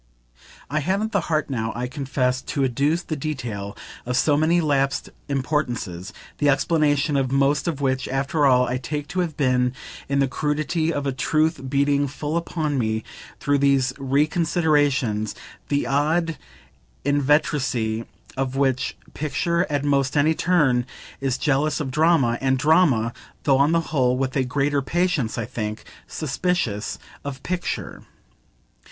I haven't the heart now, I confess, to adduce the detail of so many lapsed importances; the explanation of most of which, after all, I take to have been in the crudity of a truth beating full upon me through these reconsiderations, the odd inveteracy with which picture, at almost any turn, is jealous of drama, and drama (though on the whole with a greater patience, I think) suspicious of picture.